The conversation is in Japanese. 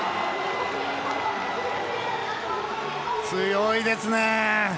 強いですね。